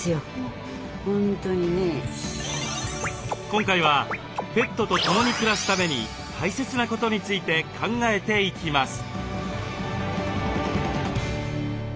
今回はペットと共に暮らすために大切なことについて考えていきます。